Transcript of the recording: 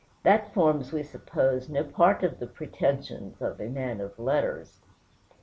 that forms, we suppose, no part of the pretensions of a man of letters.